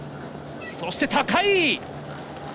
そして高い！